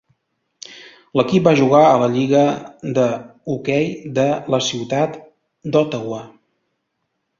L'equip va jugar a la Lliga de Hockey de la ciutat d'Ottawa.